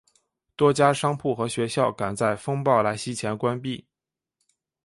多家商铺和学校赶在风暴来袭前关闭。